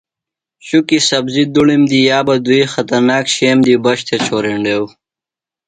شُکیۡ سبزیۡ دُڑم دی یا بہ دُوئی خطرناک شِئوم دی بچ تھےۡ چھورینڈیوۡ۔